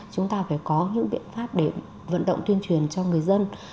chúng ta phải có những biện pháp để vận động tuyên truyền cho người dân